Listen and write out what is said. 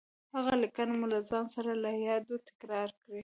هغه ليکنه مو له ځان سره له يادو تکرار کړئ.